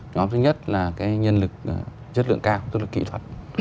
nhóm thứ nhất là cái nhân lực chất lượng cao tức là kỹ thuật